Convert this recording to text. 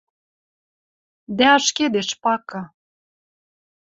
Дӓ ашкедеш пакы